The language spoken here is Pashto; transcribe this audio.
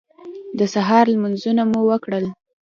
د سهار لمونځونه مو وکړل.